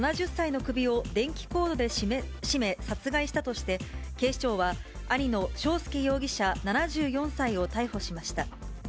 ７０歳の首を電気コードで絞め、殺害したとして、警視庁は兄の庄助容疑者７４歳を逮捕しました。